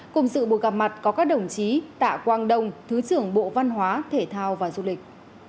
cùng sự buổi gặp mặt có các đồng chí tạ quang đông thứ trưởng bộ văn hóa thể thao và du lịch